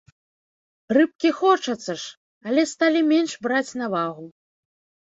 Рыбкі хочацца ж, але сталі менш браць на вагу.